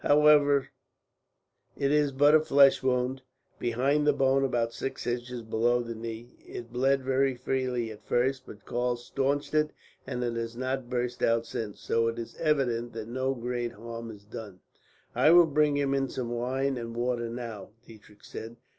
However, it is but a flesh wound, behind the bone about six inches below the knee. It bled very freely at first, but Karl stanched it, and it has not burst out since; so it is evident that no great harm is done." "I will bring you in some wine and water now," Diedrich said.